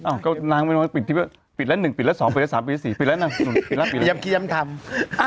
อ่าก็นางเป็นอย่างปิดทีวีอ่ะปิดแล้วหนึ่งปิดแล้วสองเป็นแล้วสามเป็นแล้วสี่ปิดแล้วนั่นเป็นแล้วเปลี่ยมทำ